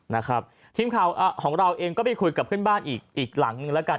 นะครับทีมข่าวของเราเองก็ไปคุยกับเพื่อนบ้านอีกอีกหลังนึงแล้วกัน